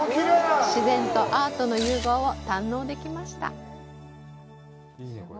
自然とアートの融合を堪能できました。